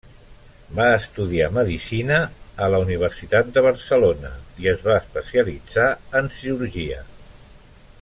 Va estudiar medicina a la Universitat de Barcelona i es va especialitzar en cirurgia.